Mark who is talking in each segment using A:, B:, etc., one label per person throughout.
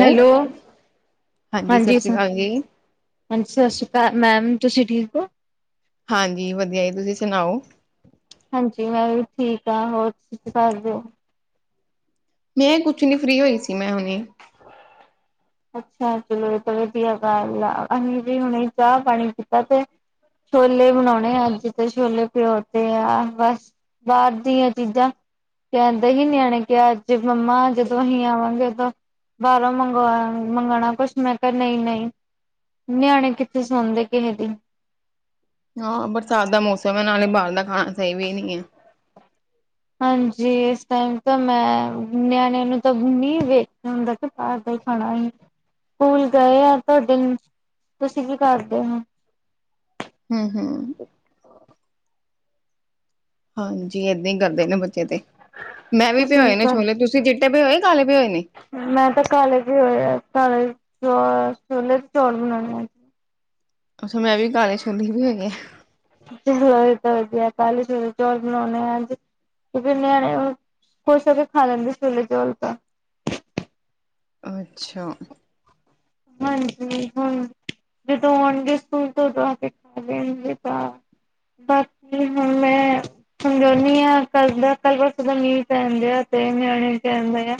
A: Hello,
B: ਸਤਿ
A: ਹਾਂਜੀ
B: ਸ੍ਰੀ
A: ਸਰ
B: ਅਕਾਲ ਜੀ
A: ਹਾਂਜੀ, ਸਤਿ ਸ਼੍ਰੀ ਅਕਾਲ ਮੈਮ ਤੁਸੀਂ ਠੀਕ ਹੋ।
B: ਹਾਂਜੀ, ਵਧੀਆ ਜੀ ਤੁਸੀਂ ਸੁਣਾਓ।
A: ਹਾਂਜੀ, ਮੈਂ ਵੀ ਠੀਕ ਹਾਂ ਹੋਰ ਤੁਸੀਂ ਦੱਸ ਦਿਓ।
B: ਮੈਂ ਕੁਛ ਨੀ ਫਰੀ ਹੋਈ ਸੀ ਮੈਂ ਹੁਣੀ।
A: ਅੱਛਾ, ਚਲੋ ਉਹ ਵਧੀਆ ਗੱਲ ਆ ਅਸੀ ਵੀ ਹੁਣੇ ਚਾਹ-ਪਾਣੀ ਪੀਤਾ ਤੇ ਛੋਲੇ ਬਣਾਉਣੇ ਅੱਜ ਤੇ ਛੋਲੇ ਭਿੱਗੋ ਤੇ ਆ ਬਸ। ਬਾਹਰ ਦੀਆਂ ਚੀਜ਼ਾਂ ਕਹਿੰਦੇ ਸੀ ਨਿਆਣੇ ਕਿਹਾ ਅੱਜ ਮੰਮਾ ਜਦੋਂ ਅਸੀਂ ਆਵਾਂਗੇ ਉਦੋਂ ਬਾਹਰੋਂ ਮੰਗਵਾ ਮੰਗਾਣਾ ਕੁਛ ਮੈ ਕਿਹਾ ਨਹੀਂ-ਨਹੀਂ ਨਿਆਣੇ ਕਿੱਥੇ ਸੁਣਦੇ ਕਿਸੇ ਦੀ?
B: ਹਾਂ, ਬਰਸਾਤ ਦਾ ਮੌਸਮ ਹੈ ਨਾਲੇ ਬਾਹਰ ਦਾ ਖਾਣਾ ਸਹੀ ਵੀ ਨੀ ਐ।
A: ਹਾਂਜੀ, ਇਸ ਟਾਈਮ ਤਾਂ ਮੈਂ ਨਿਆਣਿਆਂ ਨੂੰ ਤਾਂ ਵੇਖਦਾ ਹੁੰਦਾ। ਘਰ ਦਾ ਹੀ ਖਾਣਾ ਹੀ ਸਕੂਲ ਗਏ ਆ ਤੁਹਾਡੇ ਤੁਸੀਂ ਕੀ ਕਰਦੇ ਹੋ?
B: ਹੂੰ-ਹੂੰ। ਹਾਂਜੀ, ਏਦਾਂ ਹੀ ਕਰਦੇ ਨੇ ਬੱਚੇ ਤੇ। ਮੈਂ ਵੀ
A: ਤੁਸੀਂ
B: ਭੀਯੋ
A: ਕੀ
B: ਨੇ ਛੋਲੇ,
A: ਕਰਦੇ
B: ਤੁਸੀਂ ਚੀੱਟੇ ਭਯੋ ਨੇ ਕਾਲੇ ਭਯੋ ਨੇ।
A: ਮੈਂ ਤਾਂ ਕਾਲੇ ਭਿਯੋ ਨੇ ਕਾਲੇ ਛੋਲੇ ਚੌਲ ਬਣਾਉਣੇ ਆ।
B: ਅੱਛਾ, ਮੈਂ ਵੀ ਕਾਲੇ ਛੋਲੇ ਭਿਹੁਨਦਿਆਂ।
A: ਚਲੋ, ਇਹ ਤਾਂ ਵਧੀਆ ਤ ਚੌਲ ਬਣਾਉਣੇ ਅੱਜ। ਫਿਰ ਮੈਂ ਨਿਆਣੇ ਖੁਸ਼ ਹੋ ਕੇ ਖਾ ਲੈਂਦੇ ਛੋਲੇ ਚੋਲ ਤਾਂ।
B: ਅੱਛਾ।
A: ਹਾਂਜੀ- ਹੂੰ ਤੋ ਜਦੋਂ ਆਉਗੇ ਸਕੂਲ ਤੋਂ ਤਾਂ [unintelligible] ਬਾਕੀ ਹੂੰਣ ਮੈ ਗਰਮੀ ਆ, ਕੱਲ- ਪਰਸੋਂ ਦਾ ਮੀਂਹ ਪਹਿਣਦੇ ਆ ਤੇ ਨਿਆਣੇ ਵੀ ਕਹਿਢੇ ਆ।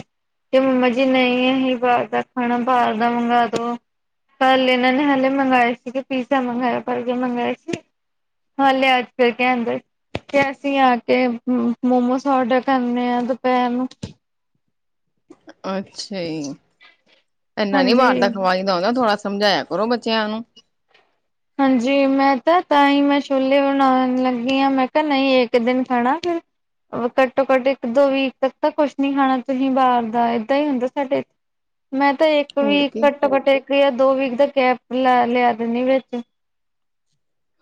A: ਤੇ ਮੰਮਾ ਜੀ ਨਹੀਂ ਅਸੀਂ ਬਾਹਰ ਦਾ ਖਾਣਾ ਬਾਹਰ ਦਾ ਮੰਗਵਾ ਪਰ ਇਹਨਾਂ ਨੇ ਹਾਲੇ ਮੰਗਵਾਏ ਸੀਗੇ ਪੀਜ਼ਾ ਮੰਗਵਾਇਆ, ਪਰਗੇ ਮੰਗਵਾਏ ਸੀ। ਹਾਲੇ ਅੱਜ ਫਿਰ ਕਹਿੰਢੇ। ਤੇ ਅਸੀਂ ਆ ਕੇ ਮੋਮੋਸ ਆਰਡਰ ਕਰਨੇ ਆ ਦੁਪਹਿਰ ਨੂੰ।
B: ਅੱਛਾ ਜੀ, ਇਨਾ ਨੀ ਬਾਹਰ ਦਾ
A: ਹਾਂਜੀ।
B: ਖਵਾਈ। ਇਹਨੂੰ ਥੋੜਾ ਸਮਝਾਇਆ ਕਰੋ ਬੱਚਿਆਂ ਨੂੰ।
A: ਹਾਂਜੀ, ਮੈਂ ਤਾਂ ਤਾਂ ਹੀ ਮੈਂ ਛੋਲੇ ਬਣਾਉਣ ਲੱਗੀ ਹਾਂ ਮੈਂ ਕਿਹਾ ਨਹੀਂ ਇੱਕ ਦਿਨ ਖਾਣਾ ਫਿਰ ਘੱਟੋ-ਘੱਟ ਇੱਕ-ਦੋ ਵੀਕ ਤੱਕ ਤਾਂ ਕੁਛ ਨੀ ਖਾਣਾ ਤੁਸੀਂ ਬਾਹਰ ਦਾ ਏਦਾਂ ਹੀ ਹੁੰਦਾ ਸਾਡੇ ਮੈਂ ਤਾਂ ਇੱਕ
B: ਹੋਰ
A: ਵੀਕ
B: ਕੀ
A: ਘੱਟੋ-ਘੱਟ ਇੱਕ ਜਾਂ ਦੋ ਵੀਕ ਦਾ ਗੈਪ ਲਾ ਲਿਆ ਦਿੰਦੀ ਹਾਂ ਵਿਚ ਹੂੰ।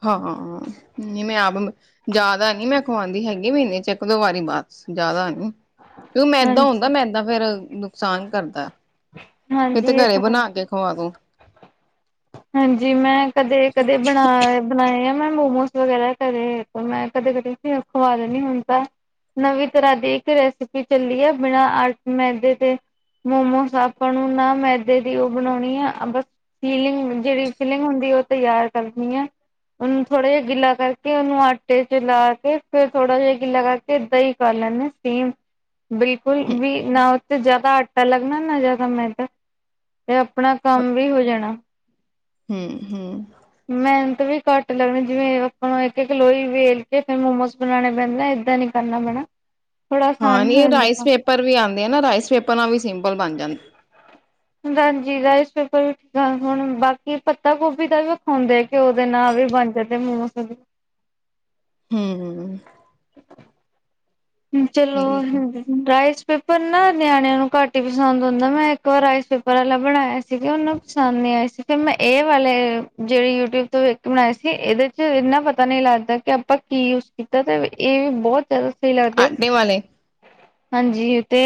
B: ਹਾਂ, ਨੀ ਮੈਂ ਆਪ ਜ਼ਿਆਦਾ ਨੀ ਮੈਂ ਖਵਾਉਂਦੀ ਹੈਗੀ ਮਹੀਨੇ ਚ ਇੱਕ-ਦੋ ਵਾਰੀ ਬਸ ਜਿਆਦਾ ਨੀ। ਦੇਖੋ, ਮੈਦਾ ਹੁੰਦਾ
A: ਹਾਂਜੀ
B: ਮੈਦਾ ਫੇਿਰ ਨੁਕਸਾਨ ਕਰਦਾ। ਫਿਰ ਤੇ
A: ਹਾਂਜੀ ਇਹ
B: ਘਰੇ
A: ਤਾਂ ਹੈ
B: ਬਣਾ ਕੇ ਖਵਾਦੋ।
A: ਹਾਂਜੀ, ਮੈਂ ਕਦੇ-ਕਦੇ ਬਣਾ ਬਣਾਏ ਆ ਮੈਂ ਮੋਮੋਸ ਵਗੈਰਾ ਘਰੇ। ਮੈਂ ਕਦੇ-ਕਦੇ ਫੇਰ ਖਵਾ ਦਿੰਦੀ ਹਾਂ ਮੈਂ ਕਦੇ-ਕਦੇ ਖਵਾ ਦਿੰਦੀ ਹਾਂ ਹੁਣ ਤਾਂ ਨਵੀਂ ਤਰ੍ਹਾਂ ਦੀ ਇੱਕ ਰੈਸਪੀ ਚੱਲੀ ਆ ਬਿਨਾਂ ਆਟ ਮੈਦੇ ਤੇ। ਮੋਮੋਸ ਆਪਾਂ ਨੂੰ ਨਾ ਮੈਦੇ ਦੀ ਉਹ ਬਣਾਉਣੀ ਆ ਬਸ ਫੀਲਿੰਗ। ਜਿਹੜੀ ਫੀਲਿੰਗ ਹੁੰਦੀ ਉਹ ਤਿਆਰ ਕਰਨੀ ਹੈ। ਉਹਨੂੰ ਥੋੜਾ ਜਿਹਾ ਗਿੱਲਾ ਕਰਕੇ ਉਹਨੂੰ ਆਟੇ ਚ ਲਾ ਕੇ ਫੇਰ ਥੋੜਾ ਜਿਹਾ ਗਿੱਲਾ ਕਰਕੇ ਦਹੀਂ ਪਾ ਲੈਂਦੇ। ਸੇਮ, ਬਿਲਕੁਲ
B: ਹੂੰ
A: ਵੀ ਨਾ ਉੱਥੇ ਜਿਆਦਾ ਆਟਾ ਲੱਗਣਾ ਨਾ ਜ਼ਿਆਦਾ ਮੈਂ ਤਾਂ। ਤੇ ਆਪਣਾ ਕੰਮ ਵੀ ਹੋ ਜਾਣਾ।
B: ਹੂੰ -ਹੂੰ,
A: ਮਿਹਨਤ ਵੀ ਘੱਟ ਲੱਗਣੀ, ਜਿਵੇਂ ਆਪਾਂ ਇੱਕ- ਇੱਕ, ਲੋਈ ਵੇਲ ਕੇ, ਫਿਰ ਮੋਮੋਸ ਬਣਾਉਣੇ ਪੈਂਦੇ ਨੇ, ਏਦਾਂ ਨੀ। ਕਰਨਾ ਪੈਣਾ, ਥੋੜਾ
B: ਹਾਂ
A: ਆਸਾਨ ਹੀ
B: ਨੀ
A: ਹੋ
B: ਇਹ
A: ਜਾਂਦਾ
B: ਰਾਈਸ
A: ਤਾਂ।
B: ਪੇਪਰ ਵੀ ਆਉਂਦੇ ਹੈ ਨਾ, ਰਾਈਸ ਪੇਪਰ ਨਾਲ ਵੀ ਸਿੰਪਲ ਬਣ ਜਾਂਦੇ।
A: ਹਾਂਜੀ, ਰਾਈਸ ਪੇਪਰ ਵੀ ਠੀਕ ਹਨ, ਹੁਣ ਬਾਕੀ ਪੱਤਾ ਗੋਭੀ ਦਾ ਵੀ ਵਿਖਾਉਂਦੇ। ਘਿਓ ਦੇ ਨਾਲ, ਵੀ ਬਣ ਜਾਂਦੇ ਮੋਮਸ ਵੀ।
B: ਹੂੰ- ਹੂੰ,
A: ਹੂੰ ਚਲੋ
B: ਠੀਕ ਆ
A: ਹਾਂਜੀ। ਰਾਈਸ ਪੇਪਰ ਨਾ, ਨਿਆਣਿਆਂ ਨੂੰ ਘੱਟ ਹੀ ਪਸੰਦ ਹੁੰਦਾ, ਮੈਂ ਇੱਕ ਵਾਰ, ਰਾਈਸ ਪੇਪਰ ਵਾਲਾ ਬਣਾਇਆ ਸੀ। ਸੀਗੇ, ਉਹਨ ਨੂੰ ਪਸੰਦ ਨਹੀਂ ਆਏ ਸੀ, ਫਿਰ ਮੈਂ ਇਹ ਵਾਲੇ ਜਿਹੜੇ ਯੂਟਿਊਬ ਤੋਂ ਵੇਖ ਕੇ ਬਣਾਏ ਸੀ ਇਹਦੇ ਇੰਨਾ ਪਤਾ ਨਹੀਂ ਲੱਗਦਾ, ਕਿ ਆਪਾਂ ਕੀ ਯੂਜ ਕੀਤਾ, ਤੇ ਇਹ ਵੀ ਬਹੁਤ ਜ਼ਿਆਦਾ ਸ ਲੱਗਦੇ
B: ਆਟੇ ਵਾਲੇ
A: ਹਾਂਜੀ ਤੇ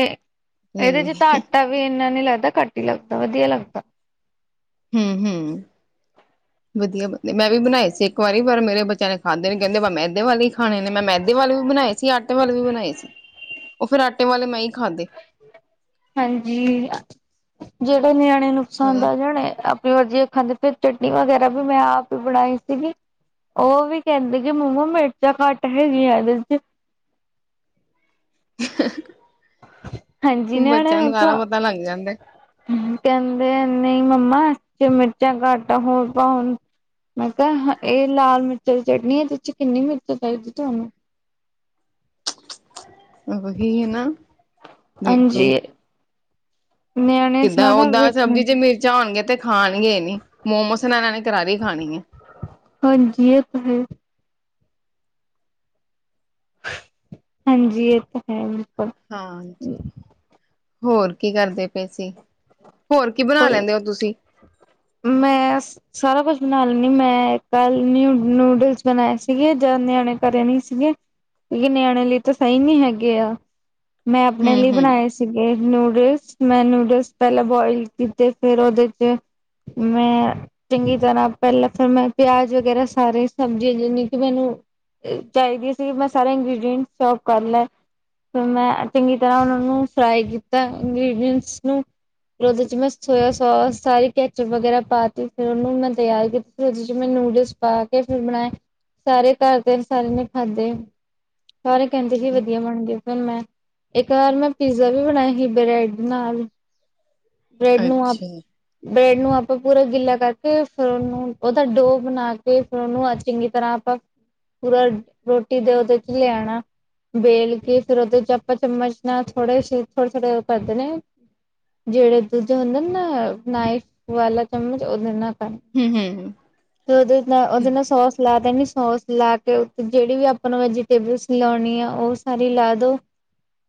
A: ਇਹਦੇ ਚ [unintelligible]
B: ਹੂੰ-ਹੂੰ।
A: ਤਾਂ, ਵੀ ਇੰਨਾ ਨੀ ਲੱਗਦਾ, ਘੱਟ ਹੀ ਲੱਗਦਾ, ਵਧੀਆ ਲੱਗਦਾ।
B: ਹਮ- ਹਮ, ਵਧੀਆ- ਵਧੀਆ, ਮੈਂ ਵੀ ਬਣਾਏ ਸੀ, ਇੱਕ ਵਾਰੀ, ਪਰ ਮੇਰੇ ਬੱਚਿਆਂ ਨੇ। ਖਾਂਦੇ ਨੇ, ਕਹਿੰਦੇ ਵ ਮੈਦੇ ਵਾਲੇ ਹੀ ਖਾਣੇ ਨੇ, ਮੈਂ ਮੈਦੇ ਵਾਲੇ ਵੀ ਬਣਾਏ ਸੀ, ਆਟੇ ਵਾਲੇ ਵੀ ਬਣਾਏ ਸੀ। ਉਹ, ਫੇਰ ਆਟੇ ਵਾਲੇ ਮੈਂ ਹੀ ਖਾਧੇ।
A: ਹਾਂਜੀ, ਜਿਹੜੇ, ਨਿਆਣਿਆ ਨੂੰ ਪਸੰਦ, ਆ ਜਾਣ ਆਪ ਵਧੀਆ ਖਾਂਦੇ, ਫਿਰ ਚਟਨੀ ਵਗੈਰਾ, ਵੀ ਮੈਂ ਆਪ ਹੀ ਬਣਾਈ ਸੀਗੀ। ਉਹ ਵੀ ਕਹਿੰਦੇ ਕਿ, ਮੰਮਾ ਮਿਰਚਾਂ ਘੱਟ ਹੈਗੀਆਂ, ਇਹਦੇ ਚ ਹਾਂਜੀ ਨਿਆਣਿਆਂ
B: ਬੱਚਿਆਂ, ਨੂੰ ਸਾਰਾ
A: ਤਾਂ
B: ਪੱਤਾ ਲੱਗ ਜਾਂਦਾ।
A: ਕਹਿੰਦੇ, ਨਹੀਂ ਮੰਮਾ ਇਸ ਚ ਮਿਰਚਾਂ ਘੱਟ ਹੈ, ਹੋਰ ਪਾਉ ਹੁਣ। ਮੈਂ ਕਿਹਾ, ਇਹ ਲਾਲ ਮਿਰਚਾਂ ਦੀ ਚਟਨੀ ਹੈ, ਤੇ, ਇਸ ਚ ਕਿੰਨੀਆਂ ਮਿਰਚਾਂ ਚਾਹੀਦੀ ਤੁਹਾਨੂੰ?
B: ਉਹੀ ਹੈ ਨਾ,
A: ਹਾਂਜੀ
B: ਦੇਖੋ।
A: ਨਿਆਣੇ
B: ਕਿੱਦਾਂ
A: ਸਾਰਾ
B: ਓਦਾਂ
A: ਵੇਖ
B: ਸਬਜ਼ੀ ਚ
A: ਲੈਂਦੇ
B: ਮਿਰਚਾਂ ਹੋਣਗੀਆਂ, ਤੇ ਖਾਣਗੇ ਨੀ ਮੋਮੋਸ ਇਨਾਂ ਨੇ ਕਰਾਰੀ ਖਾਣੀ ਹੈ।
A: ਹਾਂਜੀ, ਇਹ ਤਾਂ ਹੈ। ਹਾਂਜੀ, ਇਹ ਤਾਂ ਹੈ।
B: ਹਾਂਜੀ, ਹੋਰ ਕੀ ਕਰਦੇ ਪਏ ਸੀ? ਹੋਰ ਬਣਾ ਲੈਂਦੇ ਹੋ ਤੁਸੀਂ?
A: ਮੈ, ਬਸ ਸਾਰਾ ਕੁਛ ਬਣਾ ਲੈਂਦੀ, ਮੈਂ ਕੱਲ ਨਿਊ, ਨੂਡਲਸ ਬਣਾਏ ਸੀਗੇ ਜੀ, ਜਦ ਨਿਆਣੇ ਘਰੇ ਨਹੀਂ ਸੀਗੇ। ਕਿਉਂਕਿ, ਨਿਆਣਿਆ ਲਈ ਤਾਂ ਸਹੀ ਨੀ ਹੈਗੇ ਆ। ਮੈਂ ਆਪਣੇ
B: ਹੂੰ
A: ਲਈ
B: ਹੂੰ।
A: ਬਣਾਏ ਸੀਗੇ, ਨੂਡਲਸ, ਮੈਂ ਨੂਡਲਸ ਪਹਿਲਾਂ ਬੋਇਲ ਕੀਤੇ, ਫੇਰ ਉਹਦੇ ਚ, ਮੈਂ। ਚੰਗੀ ਤਰ੍ਹਾਂ ਪਹਿਲਾਂ, ਫਿਰ ਮੈਂ ਪਿਆਜ ਵਗੈਰਾ, ਸਾਰੀਆਂ ਸਬਜ਼ੀਆਂ ਜਿੰਨੀ ਕਿ ਮੈਨੂੰ ਚਾਹੀਦੀ ਸੀ, ਕਿ ਮੈਂ ਸਾਰੇ ਇੰਗ੍ਰਡੀਂਟ ਸ਼ੋਪ ਕਰ ਲੈ। ਫ ਮੈਂ ਚੰਗੀ ਤਰ੍ਹਾਂ ਉਹਨਾਂ ਨੂੰ ਫਰਾਈ ਕੀਤਾ ਇੰਗ੍ਰਡੀਅਂਟਸ, ਨੂੰ ਫਿਰ ਉਹਦੇ ਮੈਂ ਸੋਇਆ ਸੋਸ ਸਾਰੇ ਕੈਚਪ, ਧਗੈਰਾ ਪਾ ਤੀ ਫਿਰ ਉਹਨੂੰ ਮੈਂ ਤਿਆਰ ਕੀਤੀ ਫਿਰ ਉਹਦੇ 'ਚ ਮੈਂ ਨੂਡਲਸ। ਪਾ ਕੇ, ਫਿਰ ਬਣਾਏ ਸਾਰੇ ਘਰ ਦੇ, ਸਾਰਿਆਂ ਨੇ ਖਾਧੇ ਸਾਰੇ ਕਹਿੰਦੇ ਸੀ, ਵਧੀਆ ਬਣ ਗਏ, ਫੇਰ ਮੈਂ। ਇੱਕ ਵਾਰ ਮੈਂ ਪੀਜ਼ਾ ਵੀ, ਬਣਾਇਆ ਸੀ ਬ੍ਰੈਡ ਨਾਲ ਬ੍ਰੈਡ ਨੂੰ ਆਪ
B: ਅੱਛਾ।
A: ਬ੍ਰੈਡ ਨੂੰ ਆਪਾਂ ਪੂਰਾ ਗਿੱਲਾ ਕਰਕੇ ਫਿਰ ਉਹਨੂੰ, ਉਹਦਾ ਡੋ ਬਣਾ ਕੇ ਫਿਰ ਉਹਨੂੰ ਚੰਗੀ ਤਰ੍ਹਾਂ ਆਪਾਂ, ਪੂਰਾ ਰੋਟੀ ਦੇ, ਉਹਦੇ ਚ ਲਿਆਣਾ। ਵੇਲ ਕੇ ਫੇਰ, ਉਹਦੇ ਚ ਆਪਾਂ ਚਮਚ ਨਾਲ ਥੋੜੇ- ਥੋੜੇ, - ਥੋੜੇ ਉਹ ਕਰ ਦੇਣੇ। ਜਿਹੜੇ ਦੂਜੇ ਹੁੰਦੇ ਨਾ, ਨਾਈਫ ਵਾਲਾ ਚਮਚ, ਉਹਦੇ ਨਾਲ ਕੱ
B: ਹੂੰ- ਹੂੰ, ਹੂੰ।
A: ਤੇ, ਉਹਦੇ ਨਾਲ -ਉਹਦੇ ਨਾਲ, ਸੋਸ ਲਾ ਦੇਣੀ, ਸੋਸ ਲਾ ਕੇ ਜਿਹੜੀ ਵੀ ਆਪਣਾ ਵੈ ਟੇਬਲਸ ਲਾਂਣੀ ਆ, ਉਹ ਸਾਰੀ ਲਾ ਦੋ।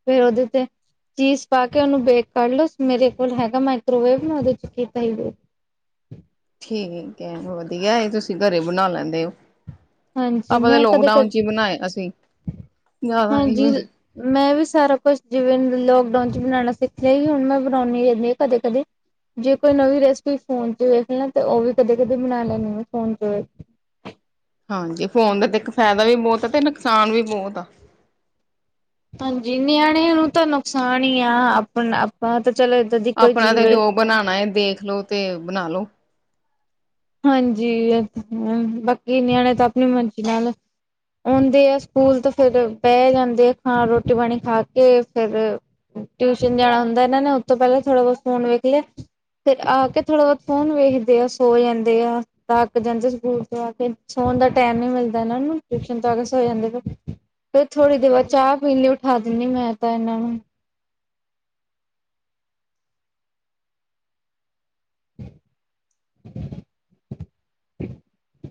A: ਫੇਰ ਉਹਦੇ ਤੇ ਚੀਜ਼ ਪਾ ਕੇ, ਉਹਨੂੰ ਬੇਕ ਕਰ ਲੋ, ਮੇਰੇ ਕੋਲ ਹੈਗਾ, ਮਾਈਕਰੋਵੇਵ ਨਾ ਉਹਦੇ 'ਚ ਕੀਤਾ ਹੀ
B: ਠੀਕ ਐ, ਵਧੀਆ ਏ ਤੁਸੀਂ, ਘਰੇ ਬਣਾ ਲੈਂਦੇ ਓ।
A: ਹਾਂਜੀ
B: ਆਪਾਂ ਤੇ
A: ਮੈਂ ਕਦੇ ਕ
B: ਲੋਕਡਾਊਨ 'ਚ ਈ ਬਣਾਇਆ ਸੀ, ਜ਼ਿਆਦਾ ਨੀ
A: ਹਾਂਜੀ
B: ਪਰ
A: ਮੈਂ ਵੀ ਸਾਰਾ ਕੁਛ ਜਿਵੇਂ ਲੋਕਡਾਊਨ ਚ ਬਣਾਣਾ ਸਿੱਖਿਆ ਹੀ ਹੁਣ ਮੈਂ ਬਣਾਉਣੀ ਰਹਿਣੀ ਆ ਕਦੇ-ਕਦੇ। ਜੇ ਕੋਈ ਨਵੀਂ ਰੈਸਪੀ ਫੋਨ ਤੇ ਵੇਖ ਲਾ ਤੇ ਉਹ ਵੀ ਕਦੇ-ਕਦੇ ਬਣਾ ਲੈਣੀ ਆ ਫੋਨ ਤੇ ਵੇ
B: ਹਾਂਜੀ ਫ਼ੋਨ ਦਾ ਤੇ ਇੱਕ ਫਾਇਦਾ ਵੀ ਬੋਤ ਆ ਤੇ ਨੁਕਸਾਨ ਵੀ ਬੋਅਤ ਆ।
A: ਹਾਂਜੀ ਨਿਆਣਿਆਂ ਨੂੰ ਤਾਂ ਨੁਕਸਾਨ ਈ ਆ ਆਪਣਾ ਆਪਾਂ ਤੇ ਚਲੋ ਏਦਾ ਦੀ ਕੋਈ
B: ਆਪਣਾ
A: ਚੀਜ਼
B: ਤੇ ਜੋ
A: ਵੇਖਦੇ
B: ਬਣਾਂਣਾ ਏ ਦੇਖਲੋ ਤੇ ਬਣਾ ਲੋ।
A: ਹਾਂਜੀ ਬਾਕੀ ਨਿਆਣੇ ਤਾਂ ਆਪਣੀ ਮਰਜ਼ੀ ਨਾਲ ਆਉਂਦੇ ਆ ਸਕੂਲ ਤੋ ਫਿਰ ਪੈ ਜਾਂਦੇ ਆ ਥਾਂ ਰੋਟੀ-ਪਾਣੀ ਖਾ ਕੇ ਫਿਰ ਟਿਊਸ਼ਨ ਜਾਣਾ ਹੁੰਦਾ ਇਨਾ ਨੇ ਉਥੋਂ ਪਹਿਲਾਂ ਥੋੜ੍ਹਾ ਬਹੁਤ ਫੋਨ ਵੇਖ ਲਿਆ। ਫੇਰ ਆ ਕੇ ਥੋੜ੍ਹਾ-ਬਹੁਤ ਫੋਨ ਵੇਖਦੇ ਆ ਸੋ ਜਾਂਦੇ ਆ। ਥੱਕ ਜਾਂਦੇ ਸਕੂਲ ਤੋਂ ਆ ਕੇ ਸੌਣ ਦਾ ਟੈਮ ਨੀ ਮਿਲਦਾ ਇਹਨਾਂ ਨੂੰ ਟਿਊਸ਼ਨ ਤੋਂ ਆ ਕੇ ਸੋ ਜਾਂਦੇ ਫੇਰ। ਫਿਰ ਥੋੜ੍ਹੀ ਦੇਰ ਬਾਦ ਚਾਹ ਪੀਣ ਲਈ ਉਠਾ ਦਿੰਦੀ ਮੈਂ ਤਾਂ ਇਹਨਾਂ ਨੂੰ। [inaudible]